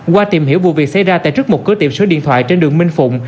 qua tìm hiểu vụ việc xảy ra tại trước một cửa tiệm sửa điện thoại trên đường minh phụng